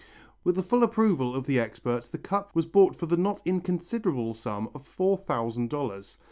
With the full approval of the experts the cup was bought for the not inconsiderable sum of four thousand dollars.